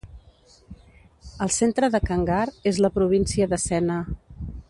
El centre de Kangar és la província de Sena.